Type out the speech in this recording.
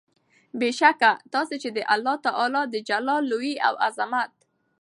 بې شکه تاسي چې د الله تعالی د جلال، لوئي او عظمت